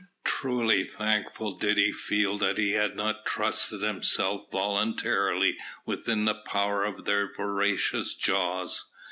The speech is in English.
Truly thankful did he feel that he had not trusted himself voluntarily within the power of their voracious jaws.